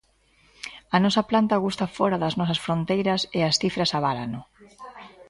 A nosa planta gusta fóra das nosas fronteiras e as cifras aválano.